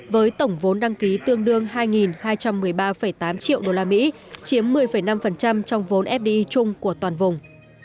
với tổng vốn đăng ký tương đương hai hai trăm một mươi ba tám triệu usd chiếm một mươi năm trong vốn fdi chung của toàn vùng